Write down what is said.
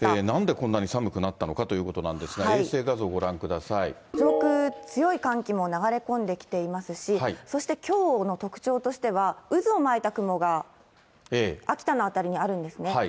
なんでこんなに寒くなったのかということなんですが、衛星画上空、強い寒気も流れ込んできていますし、そしてきょうの特徴としては、渦を巻いた雲が秋田の辺りにあるんですね。